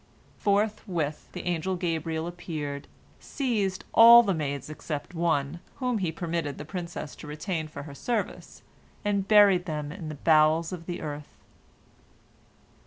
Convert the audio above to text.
Forthwith the angel Gabriel appeared, seized all the maids except one, whom he permitted the princess to retain for her service, and buried them in the bowels of the earth.